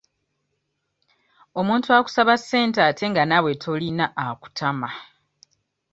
Omuntu akusaba ssente ate nga naawe tolina akutama.